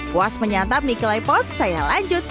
puas menyantap mie clay pot saya lanjut